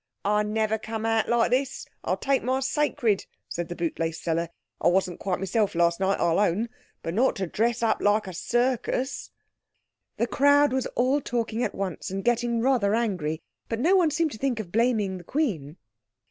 "I never come out like this, I'll take my sacred," said the bootlace seller. "I wasn't quite myself last night, I'll own, but not to dress up like a circus." The crowd was all talking at once, and getting rather angry. But no one seemed to think of blaming the Queen.